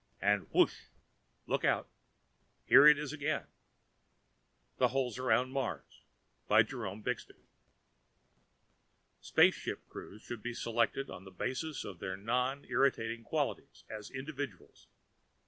And whoosh look out here it is again!_ Illustrated by DICK FRANCIS Spaceship crews should be selected on the basis of their non irritating qualities as individuals.